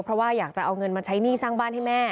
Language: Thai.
เพราะว่าอยากจะเอาเงินมาใช้หนี้สร้างบ้านให้แม่